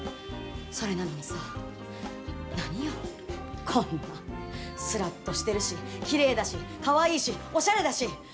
それなのにさ、何よこんな、すらっとしてるしきれいだし、かわいいしおしゃれだし。